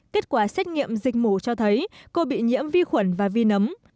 kết quả xét nghiệm dịch mũ cho thấy cô bị nhiễm vi khuẩn và vi nấm